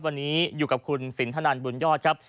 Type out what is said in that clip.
วันนี้อยู่กับคุณสินทนันบุญยอดครับ